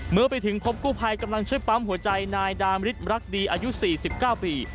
เมื่อไปถึงพบกู้ภัยกำลังช่วยปั๊มหัวใจนายดามฤทธิรักดีอายุ๔๙ปี